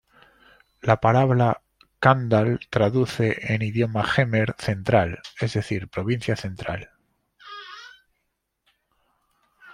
La palabra ""Kandal"" traduce en idioma jemer ""Central"", es decir ""Provincia Central"".